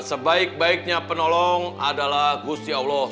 sebaik baiknya penolong adalah gusti allah